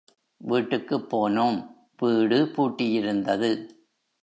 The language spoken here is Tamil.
வீட்டுக்குப் போனோம், வீடு பூட்டியிருந்தது.